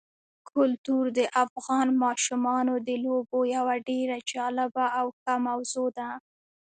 کلتور د افغان ماشومانو د لوبو یوه ډېره جالبه او ښه موضوع ده.